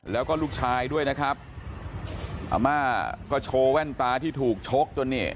แล้วก็ลูกชายด้วยนะครับอาม่าก็โชว์แว่นตาที่ถูกชกจนเนี่ย